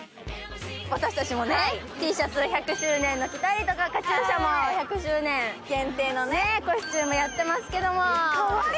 私たちもＴシャツ、１００周年の着てたりとかカチューシャも１００周年限定のコスチュームやってますけれども。